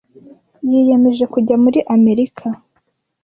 Yiyemeje kujya muri Amerika.